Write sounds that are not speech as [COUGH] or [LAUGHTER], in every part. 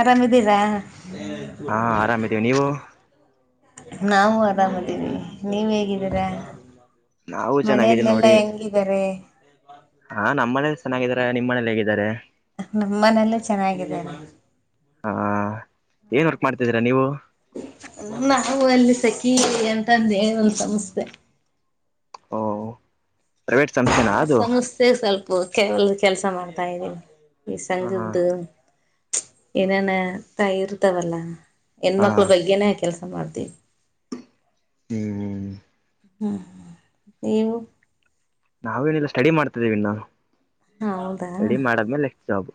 ಆರಾಮ್ದೀರಾ ಹಾ ಆರಾಮ ಇದ್ದೀವಿ ನೀವು ನಾವು ಆರಾಮದೀಬಿವಿ ನೀವ ಹೇಗಿದ್ದೀರಾ ನಾವು ಚೆನ್ನಾಗಿದ್ದೀವಿ ಮನೆಯಲ್ಲೆಲ್ಲಾ ನೋಡಿ ಹೆಂಗಿದ್ದಾರೆ ಹಾ ನಮ್ಮ ಮನೇಲಿ ಚೆನ್ನಾಗಿದಿದ್ದಾರೆ ನಿಮ್ಮ ಮನೇಲಿ ಹೇಗಿದ್ದಾರೆ ನಮ್ಮ ಮನೇಲ್ಲು ಚೆನ್ನಾಗಿದಾರೆ ಹ ಏನ್ ವರ್ಕ್ ಮಾಡ್ತಿದ್ದೀರಾ ನೀವು ನಾವು ಅಲ್ಲಿ ಸಖಿ ಅಂತಂದ ಏನ ಒಂದ ಸಂಸ್ಥೆ ಓಹ ಪ್ರೈವೇಟ್ ಸಂಸ್ಥೆನಾ ಅದು ಸಂಸ್ಥೆ ಸ್ವಲ್ಪ ಕವ ಕೆಲಸ ಮಾಡ್ತಾ ಇದಿನಿ ಈ ಹ ಸಂಗದ್ದು ಏನನ ಇರ್ತಾವಲ್ಲಾ ಹಾ ಹೆಣ್ಮಕ್ಳ ಬಗ್ಗೆನೆ ಕೆಲ್ಸ ಮಾಡ್ತಿವಿ ಹ್ಮ್ಮ ಹ್ಮ ಇವು ನಾವೇನಿಲ್ಲ ಸ್ಟಡಿ ಮಾಡ್ತಾಯಿದ್ದೀವಿ ನಾನು ಹೌದಾ ಸ್ಟಡಿ ಮಾಡಿದ್ಮೇಲೆ ನೆಕ್ಸ್ಟ್ ಜಾಬ್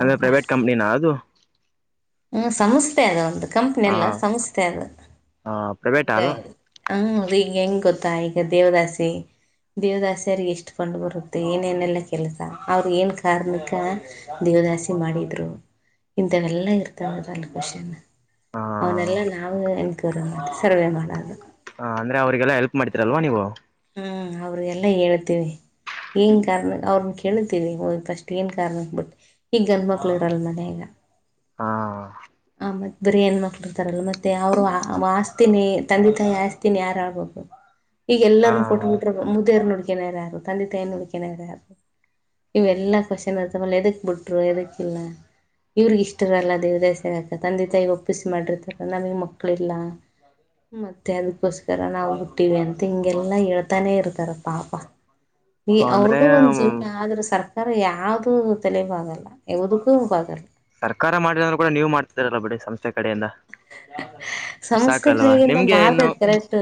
ಅಂದ್ರೆ ಪ್ರೈವೇಟ್ ಕಂಪ್ನಿನಾ ಅದು ಹ್ಮ ಸಂಸ್ಥೆ ಅದ ಒಂದು ಕಂಪ್ನಿ ಹ ಎಲ್ಲ ಸಂಸ್ಥೆ ಅದು ಹ ಪ್ರೈವೇಟ್ ಈಗ ಅಲ್ಲ ಹ ರೀಗ ಹೆಂಗೆ ಗೊತ್ತಾ ಈಗ ದೇವರಾಸಿ ದೇವದಾಸಿಯರಿಗೆ ಎಷ್ಟುಫಂಡ ಬರುತ್ತೆ ಏನೇನೆಲ್ಲ ಕೆಲಸ ಅವ್ರಗ ಏನು ಕಾರಣಕ್ಕೆ ದೇವದಾಸಿ ಮಾಡಿದ್ರು ಇಂಥವೆಲ್ಲಾ ಇರ್ತಾರೆ ತದಲ್ಲಿ ಕಷನ್ ಹ ಅವನ್ನೆಲ್ಲ ನಾವೇ ಎನ್ಕ್ವರಿ ಮಾಡ ಸರ್ವೆ ಮಾಡೋದು ಹ ಅಂದ್ರೆ ಅವ್ರರಿಗೆಲ್ಲ ಹೆಲ್ಪ್ ಮಾಡ್ತೀರಲ್ವಾ ನೀವು ಹ್ಮ್ ಅವ್ರ ಎಲ್ಲ ಹೇಳ್ತೀವಿ ಏನು ಕಾರಣ ಅವ್ರನ್ನ ಕೇಳುತ್ತೀರಿ ಹದಿ ಫಸ್ಟ್ ಏನು ಕಾರಣಕ್ಕೆಬಿಟ್ಟು ಈಗ ಗಂಡ ಮಕ್ಳು ಇರಲ್ ಮನೆ ಈಗ ಹಾ ಮತ್ತ ಬರಿ ಹೆಣ ಮಕ್ಳು ಇತಾರಲ್ಲ ಮತ್ತೆ ಅವ್ರು ಮಾಸ್ತಿನಿ ತಂದೆ ತಾಯಿ ಹಾಸ್ತಿನಿ ತಂದ ತಯಿ ಯಾರ ಅವ್ರು ಈಗ ಹ ಎಲ್ಲರೂ ಕೊಟ್ಬಿಟ್ರ ಮುದೆಯರು ನುಡ್ಕನಾರ ಯಾರು ತಂದೆ ತಾಯಿ ನುಡ್ಕನಾರ ಯಾರು ಇವೆ ಎಲ್ಲಾ ಕ್ವಶನ್ ಇರ್ತಲ್ಲ ಎದಕ್ ಬಿಟ್ರು ಎದಕ್ಕ ಇಲ್ಲ ಇವ್ರಗ ಇಷ್ಟ ಇಷ್ಟರಲ್ಲ ದೇವದಯ ಸೇಕ ತಂದೆ ತಾಯಿ ಒಪ್ಪಿಸಿ ಮಾಡಿರ್ತಾರೆ ನಮಗೆ ಮಕ್ಕಳಿಲ್ಲ ಮತ್ತೆ ಅದಕ್ಕೋಸ್ಕರ ನಾವು ಬಿುಟ್ಟಿವಿ ಅಂತ ಹಿಂಗೆಲ್ಲ ಹೇಳ್ತಾನೆ ಇರ್ತಾರ ಪಾಪ ಈ ಅಂದ್ರೆ ಅವ್ರಗು ಒಂದ್ ಜೀವನ ಆದ್ರೆ ಸಾಕ ಸರ್ ಯಾವುದು ತಲಿಬಾಗಲ್ಲ ಯಾವುದಕ್ಕೂ ಯಾವ್ದಕ್ಕೂ ಆಗಲ್ಲ ಸರ್ಕಾರ ಮಾಡಿದ್ರರು ಕೂಡ ನೀವು ಮಾಡ್ತಿದರಲ್ಲ ಬಿಡಿ ಸಂಸ್ಥೆ ಕಡೆಯಿಂದ ಅಷ್ಟ್ ಸಂಸ್ಥೆ ಸಾಕಲ್ವಾ ಕಡೆಗಿಂದ ನಿಮ್ಗೆ ಇನ್ನು ಮಾಡತದ ಕರೆಕ್ಟ್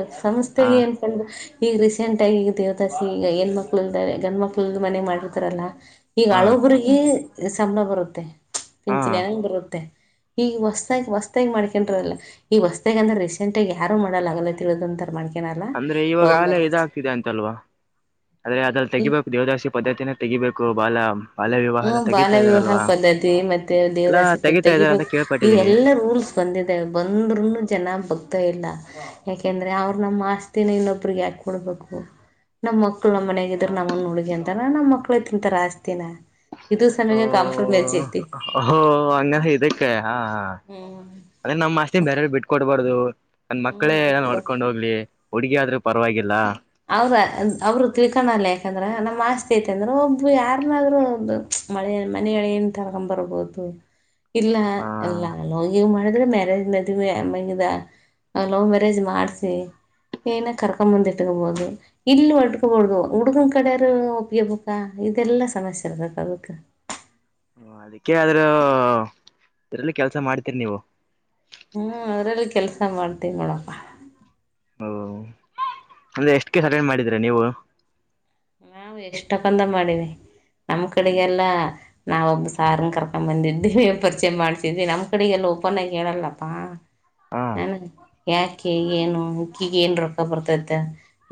ಹ ಸಂಸ್ಥೆಗೆ ಏನ್ಕಂಡು ಈಗ ರೀಸೆಂಟ್ ಆಗಿ ಈಗ ದೇವದಾಸಿ ಈಗ ಹೆಣ್ಣ್ಮ ಮಕ್ಳಲ್ದ ಗಂಡ ಮಕ್ಳಲ್ ಮನೆ ಮಾಡಿರ್ತಾರಲ್ಲ ಈಗ ಹ ಹಳಬ್ರಗ ಸಂಬಳ ಬರುತ್ತೆ ಹ ಪಿಂಚಣಿದಂಗ್ ಬರುತ್ತೆ ಈಗ ಹೊಸದಾಗಿ ಹೊಸದಾಗಿ ಮಾಡಿ ಲ್ಲ ಈ ವಸ್ತೆ ಅಂದ್ರೆ ರಿಸೆಂಟ್ ಆಗ ಯಾರು ಮಾಡಲ್ಲ ಆಗಲ ತಿಳದಂತ ಮಾಡ್ತಾರೆ ಇನಲ್ಲ ಲವ್ ಮ್ಯೇಜ್ ಇದೆ ಅಂತಲ್ವಾ ಆದ್ರೆ ಅದಲ್ಲಿ ತೆಗಿಬೇಕು ದೇವದಾಸಿ ಪದ್ದತಿನ ತೆಗಿಬೇಕು ಬಾಳ ಹ್ಮ ಬಾಲ ವಿವಾಹ ಪದ್ಧತಿ ಮತ್ತೆ ಎಲ್ಲಾ ದೇವದಾಸಿ ಪದತಿ ತೆಗಿತಾ ಇದಾರೆ ಅಂತ ತೆಗಿಬೇಕು ಇ ಕೇಳ್ಪಟ್ಟಿದ್ದೀನಿ ಎಲ್ಲಾ ರೂಲ್ಸ್ ಬಂದಿದೆ ಬಂದ್ ತುಂಬಾ ಜನ ಬಕ್ತಾ ಇಲ್ಲ ಯಾಕೆಂದ್ರೆ ಅವ್ರ ನಮ್ಮ ಆಸ್ತಿನ ಇನ್ನೊಬ್ರಿಗೆ ಯಾಕ ಕೊಡ್ಬೇಕು ನಮ್ಮ ಮಕ್ಳು ನಮ್ಮ್ನಯಾಗ ಇದ್ರ ನಮ್ಮನ ಹುಡುಗಿ ಅಂತಾರ ನಮ್ಮ ಮಕ್ಳ ತಿಂತಾರ ಆಸ್ತಿನ ಇದು ಸಮಯಗೆ ಕಾಂಫರ್ ಮ್ಯಾಚ್ ಐತಿ ಹ ಹಂಗ ಇದಕ್ಕೆ ಹಾ ಹ್ಮ್ ಅದೇ ನಮ್ಮ ಅಸ್ತಿನ್ ಬೇರೆ ಬಿಟ್ಟಟ್ ಕೊಡ್ಬಾರ್ದದು ನನ್ ಹ್ಮ್ ಮಕ್ಕಳೇ ಅದಕ್ಕೆ ನೋಡ್ಕೊಂಡ್ ಹೋಗ್ಲಿ ಹುಡುಗಿ ಆದ್ರೂ ಪರವಾಗಿಲ್ಲ ಅವ್ರ ಅವರು ತಿಳ್ಕಳಲ್ಲ ಯಾಕಂದ್ರೆ ನಮ್ಮ ಆಸ್ತಿ ಐತೆ ಅಂದ್ರೆ ಒಬ್ಬ ಯಾರನಾದ್ರೂ ಒ ಮಳೆ ಮನೆ ಅಳಿಯನ್ ತಗೊಬರ್ಬೋದು ಇಲ್ಲ ಹ ಅಲ್ಲ ಲವ್ ಗಿವ್ ಮಾಡಿದ್ರೆ ಮ್ಯಾರೇಜ್ ಮ [UNINTELLIGIBLE] ಲವ್ ಮ್ಯಾರೇಜ್ ಮಾಡ್ಸಿ ಏನ ಕರ್ಕೊಂಡ್ ಬಂದಿ ಹಿಟ್ಕಬೋದು ಇಲ್ಲ ಒಡ್ಕಬೋದು ಹುಡ್ಗನ್ ಕಡಾರ ಒಪ್ಗಬೇಕಾ ಇದೆಲ್ಲಾ ಸಮಸ್ಯೆ ಇರ್ತದ ಅದಕ್ ಅದಕ್ಕೆ ಆದ್ರೂ ಇದ್ರಲ್ಲಿ ಕೆಲ್ಸ ಮಾಡ್ತೀರಿ ನೀವು ಹ್ಮ್ ಅದ್ರಲ್ಲಿ ಕೆಲ್ಸ ಮಾಡ್ತೀವಿ ನೋಡಪ್ಪ ಓ ಅಂದ್ರೆ ಎಷ್ಟ ಕೇಸ್ ಅಟೆಂಡ್ ಮಾಡಿದೀರಾ ನೀವು ನಾವು ಎಷ್ಟು ತಕಂದ ಮಾಡಿವ ನಮ್ಮ್ ಕಡೆಗೆಲ್ಲ ನಾವೊಬ್ಬ ಸಾರ್ನ್ ಕರ್ಕೊಂಡ ಬಂದಿದ್ವಿ ಪರಿಚಯಾ ಮಾಡ್ಸಿದ್ವಿ ನಮ್ ಕಡೆಗೆಲ್ಲ ಓಪನ್ ಆಗಿ ಹೇಳೇಳಲ್ಲಪ್ಪಾ ಹಾ ನಾನ ಯಾಕೆ ಏನು ಉಕ್ಕೀಗ ಏನ್ ರೊಕ್ಕ ಬರ್ತೈದ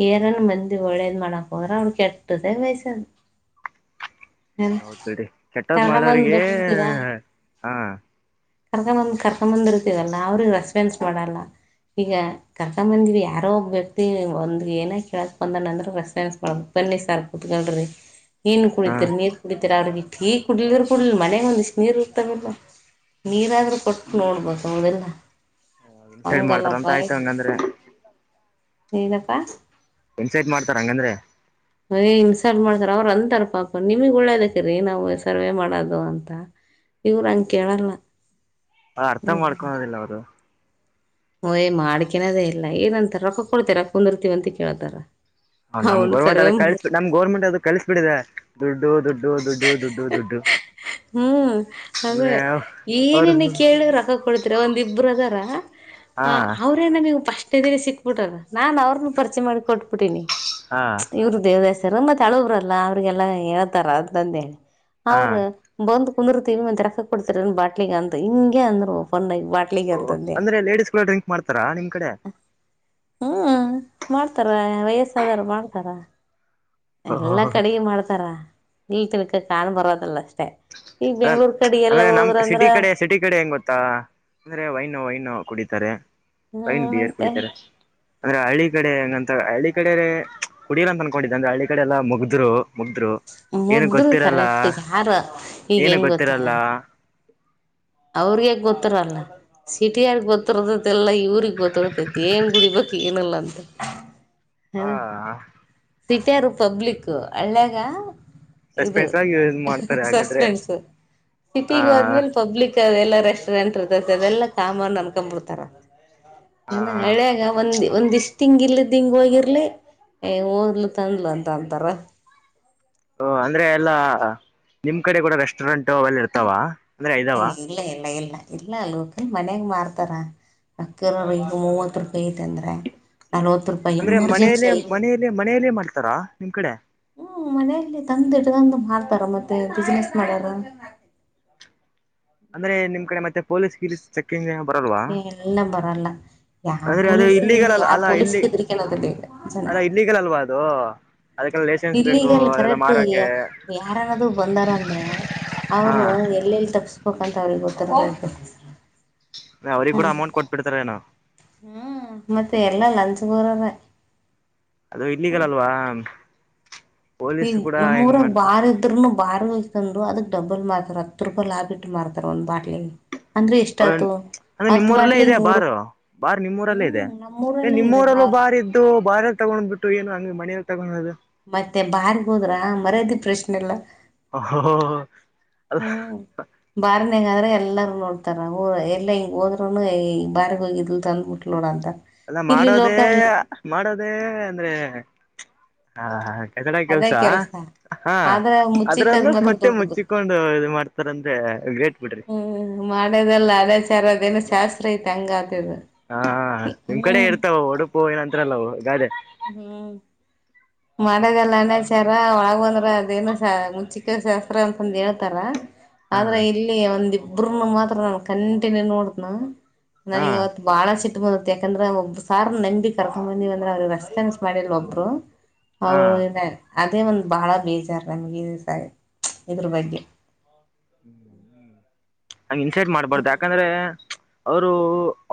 ಏರನ್ ಮಂದಿ ಒಳ್ಳೇದ್ ಮಾಡಕ್ ಹೋದ್ರ ಅವ್ರಕ ಕೆಟ್ಟದೇ ಬಾಯಸದು ಹೌದ್ ಬಿಡಿ ಕೆಟ್ಟದ್ ಮಾಡೋರಿಗೆ ಹಾ ಕರ್ಕಂಬಂದ ಕರ್ಕ ಬಂದಿರ್ತಿಗಲ್ಲ ಅವ್ರಿಗೆ ರೆಸ್ಪಾನ್ಸ್ ಮಾಡಲ್ಲ ಈಗ ಕರ್ಕೊಂಬಂದೀವಿ ಯಾರೋ ಒಬ್ಬ ವ್ಯಕ್ತಿ ಒಂದು ಏನ ಕೇಳೋಕ ಬಂದಣ ಅಂದ್ರರು ರೆಸ್ಫರೆನ್ಸ್ ಮಾಡ್ಬೇಕು ಬನ್ನಿ ಸಾರ್ ಕುತ್ಕಲ್ ನೀನು ಹಾ ಕುಡಿತರಿ ನೀರ್ ಕುಡಿತೀರಿ ಅವರಿಗೆ ಈ ಕುಡ್ಲ್ರ ಕುಡ್ಲಿಲ್ಲ ಮನೆಯಗೆ ಒಂದ ಇಷ್ಟು ನೀರ್ ಇರ್ತಗಲ್ಲ ನೀರಾದ್ರೂ ಕೊಟ್ಟು ನೋಡ್ಬೇಕ ಹೌದಿಲ್ಲ ಇನ್ಸೈಡ್ ಮಾಡ್ತಾರ ಅಂತ ಹಂಗಲ್ಲಪ್ಪ ಆಯ್ತು ಹಂಗಂದ್ರೆ ಹೇಳಪ್ಪಾ ಇನ್ಸೈಟ್ ಮಾಡ್ತಾರ ಹಂಗಂದ್ರೆ ಇನ್ಸಾಲ್ಟ್ ಮಾಡ್ತಾರ ಅವ್ರ ಅಂತಾರ ಪಾಪ ನಿಮಗ್ ಒಳ್ಳೇದಕ್ರೀ ನಾವು ಸರ್ವೆ ಮಾಡೋದು ಅಂತ ಇವರು ಹಂಗ್ ಕೇಳಲ್ಲ ಆ ಅರ್ಥ ಮಾಡ್ಕೊಳೋದಿಲ್ಲ ಅವರು ಹ ಓಯ್ ಮಾಡ್ಕಿನದೇ ಇಲ್ಲ ಏನಂತಾರ ರೊಕ್ಕ ಕೊಡ್ತೀರ ಕೊನ್ದರ್ತೀವಿ ಅಂತ ಕೇಳ್ತಾರ ಹ ನಮ್ ಗೌರ್ಮೆಂಟ್ ಅದು ಕಳಸ್ ನಮ್ ಗೌರ್ಮೆಂಟ್ ಅದು ಕಸಸ್ಬಿಡಿದೆ ದುಡ್ಡು ದುಡ್ಡು ದುಡ್ಡು ದುಡ್ಡು ದುಡ್ಡು ಹ್ಮ್ ಹಾಗೇ ಅಂದ್ರೆ ಅವರು ಏನೇನ್ ಕೇಳಿ ರೊಕ್ಕ ಕೊಡ್ತಿರ ಒಂದಿಬ್ಬರು ಅದಾರ ಹಾ ಅೆ [UNINTELLIGIBLE] ನಮಗ್ ಪಸ್ಟ್ ಇದ ಸಿಕ್ಬಿಟ್ರ ನಾನ್ ಅವ್ರನು ಪರಿಚೆ ಮಾಡಿ ಕೊಟ್ಬಿಟ್ಟೀಿನಿ ಹಾ ಇವ್ರರು ದೇವದಾಯ ಸರು ಮತೆ ಹಾಳಬ್ರಲ್ಲಾ ಅವ್ರಿಗೆಲ್ಲ ಹೇಳ್ತಾರ ಅಂತ ಅಂದೇ ಹಾ ಅವರು ಬಂದು ಕುಂದಿರ್ತವಿ ರೋಕ್ಕಕ್ ಕೊಡ್ತಿರ ಬಾಟ್ಲಲಿಗ್ ಅಂದ ಹಿಂಗೆ ಅಂದ್ರು ಬ ಓ ಅಂದ್ರೆ ಲೇಡಿಸಸ್ ಕೂಡ ಡ್ರಿಂಕ್ ಮಾಡ್ತಾರಾ ನಿಮ್ ಕಡೆ ಹ್ಮ ಮಾಡ್ತಾರೇ ವಯಸ್ಸಾದಾರ ಮಾಡ್ತಾರೇ ಅ ಎಲ್ಲಾ ಕಡೆಗೆ ಮಾಡ್ತಾರ ಇಲ್ತಿನ್ಕ ಕಾಣ್ ಬರೋದಲ್ಲ ಅಷ್ಟೇ ಈಗ ಅದ ಬೆಂಗ್ಳೂರ್ ಕಡೆ ಎಲ್ಲ ಅಂದ್ರೆ ನಮ್ ಹೋದ್ರಂದ್ರ ಸಿಟಿ ಕಡೆ ಸಿಟಿ ಕಡೆ ಹೆಂಗ ಗೊತ್ತಾ ಅಂದ್ರೆ ವೈನ್ ವೈನ್ ಕುಡಿತಾರೆ. ಹ್ಮ ವೈನ್ ಬಿಯರ್ ಮತ್ತೆ ಕುಡಿತಾರೆ ಅಂದ್ರೆ ಹಳ್ಳಿ ಕಡೆ ಹೆಂಗಂತ ಹಳ್ಳಿ ಕಡೆ ಕುಡಿಯಲ್ಲಾ ಅಂತ ಅನ್ಕೊಂಡಿದ್ದೆ ಅಂದ್ರೆ ಹಳ್ಳಿ ಕಡೆ ಎಲ್ಲಾ ಮುಗ್ದ್ರು ಮುಗ್ದ್ರು ಏನು ಮುಗ್ಧರು ಗೊತ್ತಿರಲ್ಲ ಕರೆಕ್ಟ್ ಯಾರ ಈಗ ಏನು ಹೆಂಗ್ ಗೊತ್ತ ಗೊತ್ತಿರಲ್ಲ ಅವ್ರಿಗೆ ಗೊತ್ತರಲ್ಲ ಸಿಟಿಯರ್ ಗೊತ್ತರತೈತೆಲ್ಲಾ ಇವ್ರಗ್ ಗೊತ್ತರತೈತಿ ಏನ್ ಗುಡಿ ಬ ಚ ಇನ್ನಲ್ಲಂತ ಹ [UNINTELLIGIBLE] ಸಿಟಿಯಾರು ಪಬ್ಲಿಕ್ ಹಳ್ಳಿ ಯಾಗ ಇದು ಸಸ್ಪೆನ್ಸ್ ಆಗಿ ಯೂಸ್ ಮಾಡ್ತಾರೆ ಹಾಗಾದ್ರೆ ಸಸ್ಪೆನ್ಸ್ ಆ ಸಿಟಿಗೋದ್ಮೇಲೆ ಪಬ್ಲಿಕ್. ಎಲ್ಲ ರೆಸ್ಟೋರೆಂಟ್ ಇರ್ತೇತಿ ಅದೆಲ್ಲ ಕಾಮಾನ್ ಅನ್ಕೊಂಡ್ ಬಿಡ್ತಾರ. ಹ ಏನ ಹಳ್ಯಾಗ ಮಂದಿ. ಒಂದಿಷ್ಟ್ ಹಿಂಗ ಇಲದ್ದ ಹಿಂಗ ಹೊಗಿರ್ಲಿ ಓದ್ಲು ತಂದ್ಲು ಅಂತ ಅಂತಾರ. ಓ ಅಂದ್ರೆ ಎಲ್ಲಾ ನಿಮ್ಮ ಕಡೆ ಕೂಡ ರೆಸ್ಟೋರೆಂಟ್ ಅವೆಲ್ಲ ಇರ್ತಾವ ಅಂದ್ರೆ ಇದಾವಾ. ಇಲ್ಲ ಇಲ್ಲ ಇಲ್ಲ ಇಲ್ಲ ಲೋಕಲ್ ಮನ್ಯಾಗ ಮಾರ್ತಾರ. ಅಕ್ಕಿರೋರ ಈಗ ಮೂವತ್ತ ರೂಪಾಯಿ ಐತಿ ಅಂದ್ರ ನಲವತ್ ರೂ ಅಂದ್ರೆ ಮನೆಯಲ್ಲೇ ಮನೆಯಲ್ಲೆ ಮನೆಯಲ್ಲೇ ಮಾಡ್ತಾರಾ ನಿಮ್ಮ ಕಡೆ. ಹು ಮನೆಯಲ್ಲಿ ತಂದ ಇಡ್ದಂದು ಮಾಡ್ತಾರ ಮತ್ತೆ ಬಿಸ್ನೆಸ್ ಮಾಡೊರು. ಅಂದ್ರೆ ನಿಮ್ಮ ಕಡೆ ಮತ್ತೆ ಪೊಲೀಸ್ ಗೀಲೀಸ್ ಚೆಕ್ಕಿಂಗ್ ಬರಲ್ವಾ. ಯಾ ಅಂದ್ರೆ ಅದು ಪೊಲೀಸ ನೀನ ಇಲ್ಲಿಗಲ್ ಯಾವ ಪೊಲೀಸಿಗೆ ಹೆದರ್ಕ್ನುದಿಲ್ಲ ಇಲ್ಲೆ ಜನಾ. ಅಲ್ಲಾ ಇಲ್ಲಿಗಲ್ ಅಲ್ವಾ ಅದು. ಅದಕ್ಕೆಲ್ಲ ಲೈಸೆನ್ಸ್ ಬೇಕು ಇಲ್ಲಿಗೆಲ್ ಅದೆಲ್ಲ ಕರೆಟ್ಟು ಮಾರಕ್ಕೆ ಯಾರನಾದೂ ಬಂದಾರಂದ್ರೆ. ಹಾ ಅವರು ಎಲ್ಲೆಲ್ಲಿ ತಪ್ಪಸ್ಬೇಕಂತ ಅವ್ರಿಗೆ ಗೊತ್ತದ ಅಂದ್ರೆ ಅವ್ರಿಗ ಕೂಡ ಅಮೌಂಟ್ ಕೊಟ್ಬಿಡ್ತಾರೆನೊ. ಹು ಮತ್ತೆ ಎಲ್ಲ ಲಂಚ್ಗೋರರೆ. ಅದು ಇಲ್ಲಿಗಲ್ ಅಲ್ವಾ. ಈ ಪೊಲೀಸ್ ಕೂಡ ನಮ್ಮ ಹೆಂಗ್ ಊರಾಗ ಮಾಡ್ತಾರೆ ಬಾರ ಇದ್ರನು. ಬಾರ್ಮುಂದ ತಂದು ಅದಕ್ ಡಬಲ್ ಮಾರ್ತಾರ ಹತ್ತು ರೂಪಾಯ ಲಾಭ ಇಟ್ಟ ಮಾರ್ತಾರ ಒಂದು ಬಾಟ್ಲಲ್ಲಿಗೆ. ಅಂದ್ರೆ ಎಷ್ಟ ಆತು. ಅದೆ ನಿಮ್ಮೂರಲ್ಲೇ ಇದೆ ಬಾರು ಬಾರ್ ನಿಮ್ಮೂರಲ್ಲೇ ಇದೆ ಹ್ಮ್ ನಮ್ಮೂರಲ್ಲೇ ಇದೆ ನಿಮ್ಮೂರಲ್ಲೂ ಬಾರ್ ಇದ್ದು ಬಾರ ತಗೊಂಡ್ಬಿಟ್ಟು. ಟ್ಟು ಏನು ಹಂಗ ಮನೆಲ್ಲ ತಗೊನೋದು. ಮತ್ತೆ ಬಾರ್ ಹೋದ್ರ ಮರ್ಯಾದಿ ಪ್ರಶ್ನೆಲ್ಲ. ಓ ಹೊ ಹೊ ಅದ್. ಬಾರ್ನ್ಯಾಗ ಆದ್ರ ಎಲ್ಲರೂ ನೋಡ್ತಾರ ಎಲ್ಲಾ ಈಗ ಹೋದ್ರುನು ಈ ಬಾರಿಗೆ ಹೋಗಿದ್ಲು ತಂದ್ಬಿಟ್ಟು ನೋಡು ಅಂತಾರ. ಅಲ್ಲಾ ಮಾಡೋದೇ ಮಾಡೋದೇ ಅಂದ್ರೆ. ಆ ಹಾ ಹಾ ಕಚಡಾ ಅದೇ ಕೆಲ್ಸಾ. ಕೆಲ್ಸ ಹಾ ಆದ್ರ ಅದ್ರಲ್ಲೂ ಮುಚ್ಚಿಕ್ಕದ್ ಮಾತ್ರ ಮತ್ತೆ ದೊಡ್ಡದು ಮುಚ್ಚಿಕೊಂಡು ಇದು ಮಾಡ್ತಾರಂದ್ರೆ ಗ್ರೇಟ್ ಬಿಡ್ರಿ. ಮಾಡೋದೆಲ್ಲ ಅದಚಾರ ಅದೇಏನು ಶಾಸ್ತ್ರ ಐತೆ ಹಂಗ ಆತಿದು. ಹಾ ಹಾ ನಮ್ಮ ಕಡೆ ಇರ್ತಾವ ಒಡುಪು ಏನಅಂದ್ರಲ್ಲ ಅವು ಗಾದೆ. ಹು ಮಾಡೋದೆಲ್ಲಾ ಅಣಾಚಾರ ಒಳಗ ಬಂದ್ರ ಅದೇನು ಮುಂಚಿಕ ಶಾಸ್ತ್ರ ಅಂತಂದ ಹೇಳ್ತಾರ. ಹಾ ಆದ್ರ ಇಲ್ಲಿ ಒಂದಿಬ್ರನು ಮಾತ್ರ ನಾನ ಕಂಟಿನ್ಯೂ ನೋಡತನ ಹಾ ನನಗೆ ಇವತ್. ಬಾಳ ಸಿಟ್ಟ ಬಂದೇತಿ ಯಾಕಂದ್ರ ಒಬ್ಬ ಸಾರ್ ನಂಬಿ ಕರ್ಕೊಬಂದಿವಿ ಅಂದ್ರ ಅವ್ರಿಗೆ ರೆಸ್ಪೋನ್ಸ್ ಮಾಡಿಲ್ ಒಬ್ರು. ಹಾ ಅವರು ಇದ ಒಂದ ಬಹಳ ಬೇಜಾರ್ ನಮ್ಗೆ ಸ ಇದ್ರ ಬಗ್ಗೆ. ಇನ್ಸೈಟ್ ಮಾಡ್ಬಾರ್ದ ಯಾಕಂದ್ರೆ. ಅವ್ರು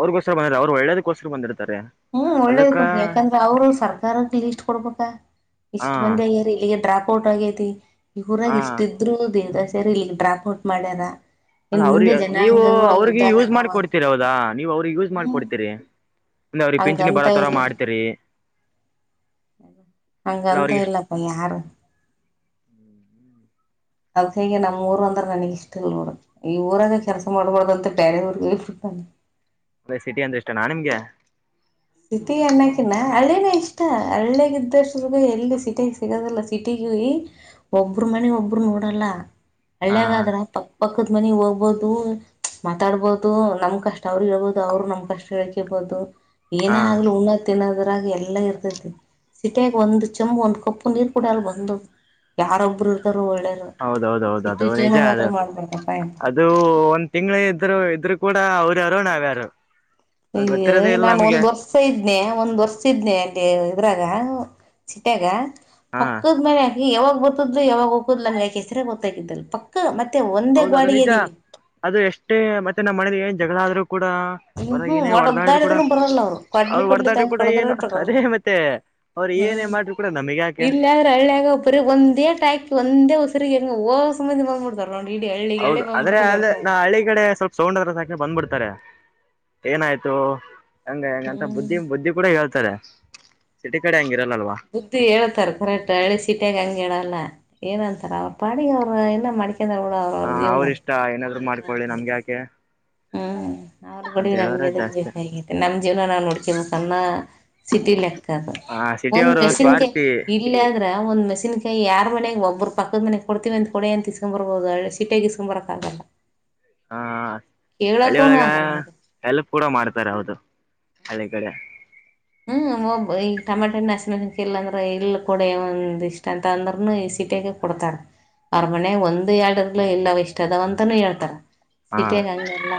ಅವ್ರಿಗೋಸ್ಕರ ಬಂದಿರ ಅವ್ರು ಒಳ್ಳೇದಕ್ಕೋಸ್ಕರ ಬಂದಿರ್ತಾರೆ. ಹು ಒಳ್ಳೇದ ಅದಕ್ಕ ಕೊ ಯಾಕಂದ್ರೆ ಅವರು ಸರ್ಕಾರದ ಲೀಸ್ಟ್ ಕೊಡ್ಬೇಕಾ. ಹಾ ಇಷ್ಟ ಮಂದಿಯಾಗ್ಯಾರ ಇಲ್ಲಿಗೆ ಡ್ರಾಪ್. ಫೋಟ ಆಗೈತಿ ಈ ಊರಾಗ ಹಾ ಇಷ್ಟ ಇದ್ರುನು ದೇವದಾಸಿಯರ ಇಲ್ಲಿಗ್ ಡ್ರಾಪ್ ಔಟ್ ಮಾಡ್ಯಾರಾ. ಅಲ್ಲಾ ಅವ್ರಿಗ ಹೇಳ್ ನೀವು ಅವ್ರಿಗೆ ಯೂಸ್ ಮಾಡಕೊಡ್ತೀರಿ ಹೌದಾ ನೀವ ಅವ್ರಿಗೆ ಯೂಸ್ ಹ್ಮ್ ಮಾಡಕೊಡ್ತೀರಿ. ಒಂದ ಅವ್ರಿಗೆ ಪಿಂಚಣಿ ಹಂಗಂತ ಬರೋ ತರ ಇಲ್ಲ ಮಾಡ್ತರಿ ಹಂಗಂತ ಅವ್ರಿಗೆ. ಇಲ್ಲಪ್ಪ ಯಾರು. ಅದಕ್ಕಾಗೆ ನಮ್ಮ ಊರು ಅಂದ್ರ ನನಗ ಇಷ್ಟ ಇಲ್ಲ ನೋಡ. ಈ ಊರಾಗ ಕೆಲಸ ಮಾಡ್ಬಾರ್ದಂತ ಬೇರೆ ಊರಿಗೆ ಶಿಫ್ಟ್ಗೇನ್. ಅದೇ ಸಿಟಿ ಅಂದ್ರ ಇಷ್ಟ ನಾ ನಿಮ್ಗೆ. ಸಿಟಿ ಅನ್ನೋಕಿನ ಹಳ್ಳನೇ ಇಷ್ಟ ಹಳ್ಳಿಗ ಇದ್ದಷ್ಟಗೂ ಎಲ್ಲಿ ಸಿಟಿ ಸಿಗದಿಲ್ಲ ಸಿಟಿಗೆ ಹೋಗಿ - ಒಬ್ರು ಮನಿ ಒಬ್ರು ನೋಡಲ್ಲ ಹಾ ಹಳ್ಲ್ಯಾಗ ಆದ್ರ ಪಕ - ಪಕ್ಕದ ಮನೆಗೆ ಹೋಗ್ಬೋದು. ಮಾತಾಡ್ಬಹದು ನಮ್ ಕಷ್ಟ ಅವ್ರರಿಗೆ ಹೇಳ್ಬಹದು ಅವರು ನಮ್ ಕಷ್ಟ ಹೇಳ್ಕೆಬೋದು ಹಾ ಏನೇ ಆಗ್ಲಿ ಉಣ್ಣದ - ತಿನ್ನೋದ್ರಾಗ ಎಲ್ಲಾ ಇರ್ತೈತಿ ಸಿಟಿಯಾಗ ಒಂದ ಚಂಬು ಒಂದ್ ಕಪ್ಪು ನೀರ್ ಕುಡಿಯಲ್ಲ ಬಂದು. ಯಾರೊಬ್ರು ಇರ್ತಾರೋ ಒಳ್ಳೇದು. ಹೌದೌದೌದ ಅದು ನಿಜ ಅದು ಅದು- ಯಪ್ಪ ಅದು ಒಂದ್ ತಿಂಗಳು ಇದ್ರು ಇದ್ರು ಕೂಡ ಅವರು ಯಾರೋ ನಾವ್ಯಾರೋ. ಅಯ್ಯಯ್ಯ ನಾನ ಒಂದು ವರ್ಷ - ಸ ಇದ್ನೇ ಒಂದ್ ವರ್ಷ ಇದ್ನೆ ಅಲ್ಲಿ ಇದ್ರಾಗ ಚೀಟಾಗ. ಹಾ ಪಕ್ಕದ ಮನೆ ಅಕಿ ಯಾವಾಗ ಬರ್ತಿದ್ಲು ಯಾವಾಗ ಹೊಕ್ಕಿದ್ಲು ನಂಗ ಅಕಿ ಹೆಸ್ರೇ ಗೊತ್ತಾಗಿದ್ದಿಲ್ಲ ಪಕ್ಕ ಮತ್ತೆ ಒಂದ- ಹೌದು ಅದು ನಿಜ ಅದು ಎಷ್ಟೇ ಮತ್ತೆ ನಮ್ಮ್ ಮನೇಲಿ ಏನ್ ಜಗಳ ಆದ್ರೂ ಕೂಡ- ಹೊರ ಹುಹೂ ಏನೇ ಹೊಡೆದಾಡ್ರು ಕೂಡ ಒಡದ್ದಾಡಿದ್ರ ಬರಲ್ಲ ಅವ್ರು ಕೊಡ್ಲಿ ಕೊಡ್ಲಿ ಹೊಡೆದಾಡ್ರು ತಗೊಂಡ್ ಕೂಡ ಕಡದ್ರ ಏನು ಬರಲ್ಲ. ಅದೇ ಮತ್ತೆ ಅವ್ರು ಏನೇ ಹ್ಮ್ ಮಾಡ್ರು ಕೂಡ ನಮಗ್ ಯಾಕೆ ಇಲ್ಲ ಆದ್ರೆ ಹಳ್ಳಿಯಾಗ- ಬರ ಒಂದೇ ಟ್ಯಾಗಿ ಒಂದೇಸರಿಗೆ ಹೊಸ್ರು ಮಂದಿ ಬಂದ್ ಬಿಡ್ತಾರೆ. [UNINTELLIGIBLE] ಹೌದು ಆದ್ರೆ ಅಲ್ಲಿ ಹಳ್ಳಿ ಕಡೆ ಸ್ವಲ್ಪ- ಸೌಂಡ್ ಆದ್ರೆ ಸಾಕ್ರಿ ಬಂದ್ಬಿಡ್ತಾರೆ ಏನಾಯ್ತು. ಹಂಗ ಹೆಂಗಂತ ಬುದ್ಧಿ ಹ್ಮ್ ಬುದ್ಧಿ ಕೂಡ ಹೇಳ್ತಾರೆ ಸಿಟಿ ಕಡೆ ಹಂಗ ಇರಲ್ಲ ಅಲ್ವಾ. ಬುದ್ಧಿ ಹೇಳತಾರ ಕರೆಕ್ಟ್ ಅಳಿ ಸಿಟಿಯಾಗ ಹಂಗ ಹೇಳಲ್ಲ ಏನಂತಾರ ಅವರು ಪಾಡಿಗೆ ಅವರು ಇನ್ನ ಮಾಡಕೆಂಡ - ಏನರ ಬಿಡ ಅವ್ರ ಅವ್ರ ಜೀವನ. ಇಷ್ಟ ಏನಾದ್ರು ಮಾಡ್ಕೊಳ್ಳಿ ನಮ್ಗೆ ಯಾಕೆ ಹ್ಮ್ ಅವ್ರ ಗೋಡಿ ಅಂತ ಹೇಳಿದ್ರೆ ನಮ್ಗೆದ ಜಾಸ್ತಿ ಬೇಕಾಗಿತ್ತು. ನಮ್ ಜೀವನ ನಾವು ನೋಡ್ಕೇಬೇಕನ್ನ ಸಿಟಿ ಲೆಕ್ಕದ ಆ ಸಿಟಿ ಒಂದ್ ಅವರು ಮೆಷಿನ್ಗೆ- ಸ್ವಾರ್ಥಿ ಇಲ್ಲ ಆದ್ರ ಒಂದ್ ಮೆಷನ್ ಕಾಯ ಯಾರ್ ಮನೆ ಒಬ್ಬರು ಪಕ್ಕದ ಮನೆ ಕೊಡ್ತಿವಿಂದ್ ಕೊಡ ಅಂತ ಇಸ್ಕೊಂಡ್ ಬರಬಹುದು ಹಳ್ಳಿ - ಸಿಟ್ಯಾಗ ಇಸ್ಕೊಂಡ್ ಬರೋಕೆ ಆಗೋಲ್ಲ. ಹಾ ಹಳ್ಳಿಯೊಳಗ ಆಗಲ್ಲ ಮರಿ ಹೆಲ್ಪ್ ಕೂಡ ಮಾಡ್ತಾರ ಹೌದು ಹಳ್ಳಿ ಕಡೆ. ಹ್ಮ ಒಬ್ಬ -ಈಗ ಟಮಾಟೆ ಅರಿಶಿನ ಸೀಕಿಲ್ಲ ಅಂದ್ರೆ ಇಲ್ಲ ಕೋಡ ಒಂದ ಇಷ್ಟ ಅಂತ ಅಂದ್ರರುನು ಈ ಸೀಟ್ಯಾಗ ಕೊಡ್ತಾರ ಅವರ ಮನೆ ಒಂದ ಎರಡ ಇಲ್ಲವ ಇಷ್ಟ ಅದಾವ ಅಂತನೂ ಹೇಳ್ತಾರ. ಹಾ ಸಿಟಿಯಾಗ ಹಂಗಲ್ಲ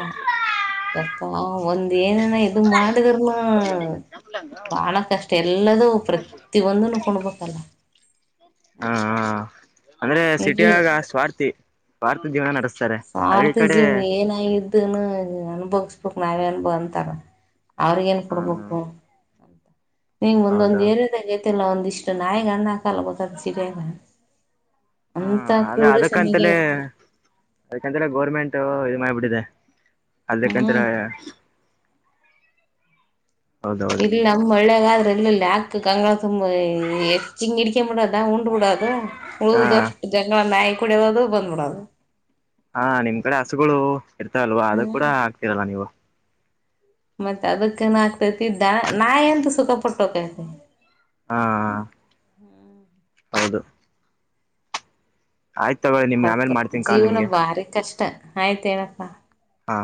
ಯಪ್ಪಾ ಒಂದ್ ಏನನ- ಇದು ಮಾಡಿದ್ರುನು. ಬಾಳ ಕಷ್ಟ ಎಲ್ಲದೂ ಪ್ರತಿ ಒಂದನು ಕೊಂಡ್ಬೇಕಲ್ಲ. ಹಾ ಅಂದ್ರೆ ಇರ್ಲಿ ಸಿಟಿಯಾಗ ಸ್ವಾರ್ಥಿ ಸ್ವಾರ್ಥಿ ಜೀವನ ನಡೆಸ- ಸ್ವಾರ್ಥಿ ಜೀವನ ಏನಾಗಿದೆ - [UNINTELLIGIBLE] ಅಂಬೋಸ್ಬೇಕು ನಾವೇ ಅನ್ ಅಂತಾರ ಅವ್ರಿಗ ಏನ್ ಹಾ ಕೊಡ್ಬೇಕು ಅಂತ. ನಿಂಗ ಒಂದೊಂದ್ ಹೌದಾ ಏರಿಯಾದಾಗ ಐತಲ್ಲ ಒಂದ ಇಷ್ಟು ನಾಯಿಗೆ ಅನ್ನ ಹಾಕಲ್ಲ ಗೊತ್ತದ ಸಿಟಿಯಾಗ. ಹಾ ಅಂತ ಕ್ರೂರು ಶಮಿಗೆ ಇರ್ತಾರ. ಅದಕಂತ್ರನ ಗೋರ್ಮೆಂಟ್ ಇದು ಮಾಡ್ಬಿಟ್ಟಿದೆ ಅದಕಂತನ ಹ್ಮ್ - ಹೌದೌದು ಇಲ್ಲ. ನಮ್ ಹಳ್ಯಾಗಾದ್ರೆ ಎಲ್ಲಲ್ಲಿ ಹಾಕಿ ಗಂಗಾಳ್ ತುಂಬ ಹೆಚ್ಚಿಗೆ ನೀಡಿಕೊಂಡು ಬಿಡೊದ ಉಂಡ ಬಿಡೊದು - ಹಾ ಉಳಿದದಿಷ್ಟು ಗಂಗಾಳ ನಾಯಿ ಕುಡಿಯೋದು ಬಂದ್ಬಿಡೋದು. ಹಾ ನಿಮ್ ಕಡೆ ಹಸುಗಳು ಇರ್ತಲ್ವಾ ಅದು ಕೂಡ ಹ್ಮ್ ಆಗ್ತಿರಲ್ಲ ನೀವು. ಮತ್ತತ್ ಅದಕ್ಕೇನ ಆಗ್ತೈತಿ ದ ನಾನೆಂತ ಸುಖ ಪಟ್ಟೋಕೈತಿ. ಹಾ ಹೌದು. ಆಯ್ತು ತಗೊಳ್ಳಿ ನಿಮ್ಗೆ ಆಮೇಲೆ ಅದ್ಕ ಮಾಡ್ತೀನಿ ಕಾಲ್ ಜೀವನ ನಿಮ್ಗೆ ಭಾರಿ ಕಷ್ಟ ಆಯ್ತ್ ಏನಪ್ಪಾ. ಹಾ